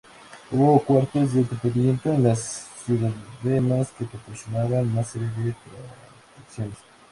Hubo cuartos de entretenimiento en las ciudades que proporcionaban una serie de atracciones.